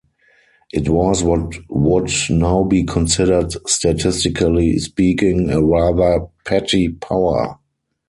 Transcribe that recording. It was what would now be considered statistically speaking, a rather petty power.